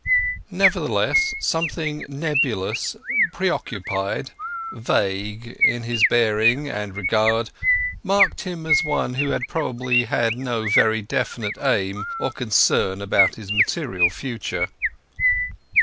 Nevertheless, something nebulous, preoccupied, vague, in his bearing and regard, marked him as one who probably had no very definite aim or concern about his material future.